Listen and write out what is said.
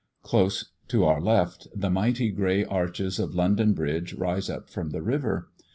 Close to our left the mighty grey arches of London bridge rise up from the river.